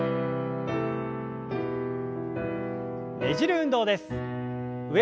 ねじる運動です。